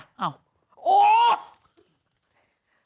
อ้าวโอ๊ย